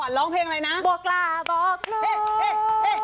ร้องเพลงอะไรนะบัวกล้าบอกนี่